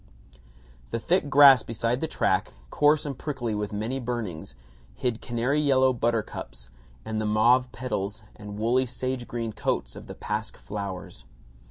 The thick grass beside the track, coarse and prickly with many burnings, hid canary yellow buttercups and the mauve petals and woolly sage green coats of the pasque flowers.